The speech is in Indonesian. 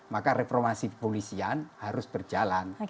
maka reformasi kepolisian harus berjalan